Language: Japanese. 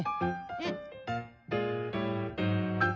うん。